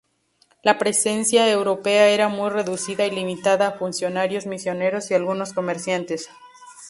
La presencia europea era muy reducida y limitada a funcionarios, misioneros y algunos comerciantes.